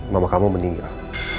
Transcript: mama kamu meninggal